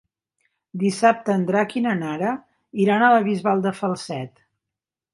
Dissabte en Drac i na Nara iran a la Bisbal de Falset.